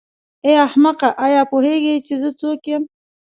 ای احمقه آیا پوهېږې چې زه څوک یم.